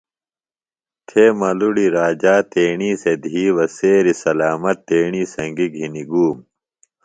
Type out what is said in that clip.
تھےۡ ملُڑی راجا تیݨی سےۡ دِھی بہ سیریۡ سلامت تیݨی سنگیۡ گِھنیۡ گُوم